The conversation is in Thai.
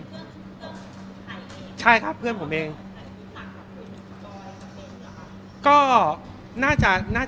ก็เข้ามาพร้อมกันครับ